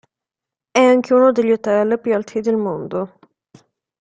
È anche uno degli hotel più alti del mondo.